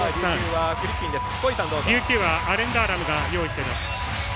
琉球はアレン・ダーラムが用意しています。